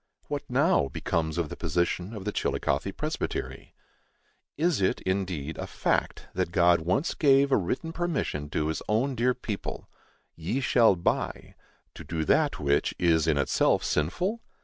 What, now, becomes of the position of the Chillicothe Presbytery? Is it, indeed, a fact, that God once gave a written permission to his own dear people ["ye shall buy"] to do that which is in itself sinful?